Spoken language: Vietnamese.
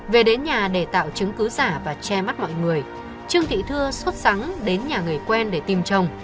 về đến nhà để tạo chứng cứ giả và che mắt mọi người trương thị thưa xuất sẵn đến nhà người quen để tìm chồng